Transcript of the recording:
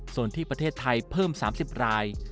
ส่วนที่ประเทศไทยเพิ่ม๓๐ราย